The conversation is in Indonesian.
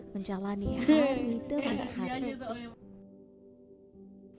menjalani hari demi hari